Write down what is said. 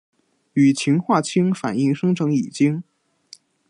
与氰化氢反应生成乙腈。